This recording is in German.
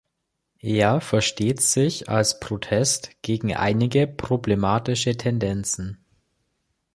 Er versteht sich als Protest gegen einige problematische Tendenzen.